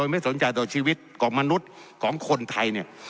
ไม่สนใจต่อชีวิตของมนุษย์ของคนไทยเนี่ย